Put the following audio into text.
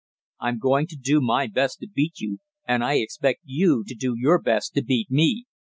"I'm going to do my best to beat you, and I expect you to do your best to beat me.